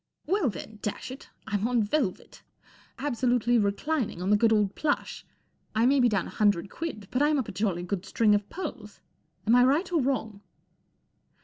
" Well, then, dash it, I'm on velvet. Absolutely reclining on the good old plush ! I may be down a hundred quid, but I'm up a jolly good string of pearls. Am I right or wrong